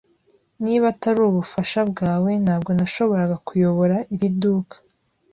Niba atari ubufasha bwawe, ntabwo nashoboraga kuyobora iri duka.